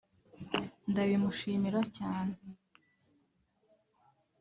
ndabimushimira cyane